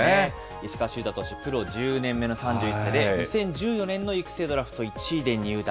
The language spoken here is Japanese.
石川柊太投手、プロ１０年目の３１歳で、２０１４年の育成ドラフト１位で入団。